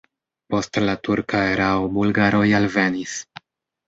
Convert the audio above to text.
Post la turka erao bulgaroj alvenis.